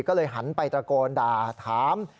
ก็เลยหันไปตระโกนด่าถาม